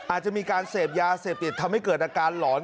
อาจจะมีการเสพยาเสพติดทำให้เกิดอาการหลอน